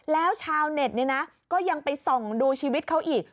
แล้วชาวเน็ตเนี่ยนะก็ยังไปส่องดูชีวิตเขาอีก